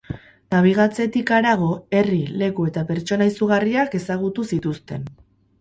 Nabigatzetik harago, herri, leku eta pertsona izugarriak ezagutu zituzten.